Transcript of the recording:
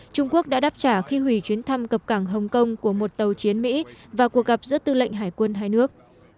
trung quốc đã đáp trả khi hủy chuyến thăm cập cảng hồng kông của một tàu chiến mỹ và cuộc gặp giữa tư lệnh hải quân hai nước